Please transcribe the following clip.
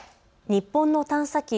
日本の探査機